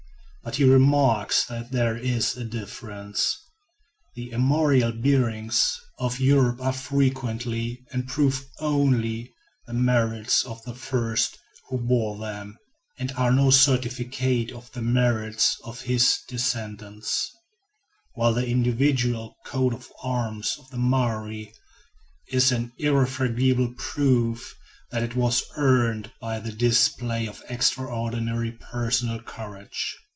But he remarks that there is this difference: the armorial bearings of Europe are frequently a proof only of the merits of the first who bore them, and are no certificate of the merits of his descendants; while the individual coat of arms of the Maori is an irrefragible proof that it was earned by the display of extraordinary personal courage.